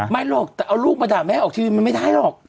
ไม่หรอกแต่เอาลูกมาด่าแม่ออกทีวีมันไม่ได้หรอก